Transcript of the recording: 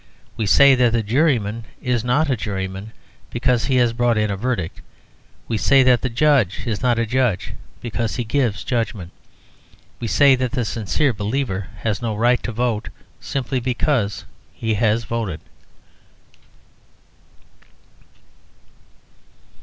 We say that the juryman is not a juryman because he has brought in a verdict. We say that the judge is not a judge because he gives judgment. We say that the sincere believer has no right to vote, simply because he has voted.